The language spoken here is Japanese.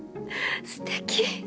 すてき！